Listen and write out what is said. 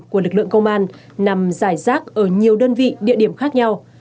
của lực lượng công an nằm giải rác ở nhiều đơn vị địa điểm khác nhau